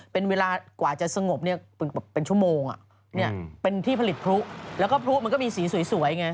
เป็นเวลากว่าจะสงบเป็นชั่วโมงเป็นที่ผลิตพลุแล้วก็พลุมันก็มีสีสวยไง